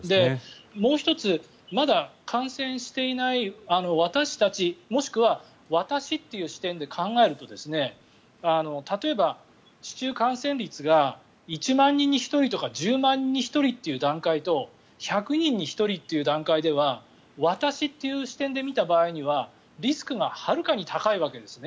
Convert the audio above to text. もう１つまだ感染していない私たちもしくは私という視点で考えると例えば市中感染率が１万人に１人とか１０万人に１人という段階と１００人に１人という段階では私という視点で見た場合にはリスクがはるかに高いわけですね。